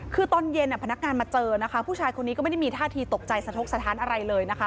คือตอนเย็นพนักงานมาเจอนะคะผู้ชายคนนี้ก็ไม่ได้มีท่าทีตกใจสะทกสถานอะไรเลยนะคะ